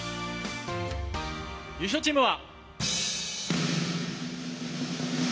優勝チームは。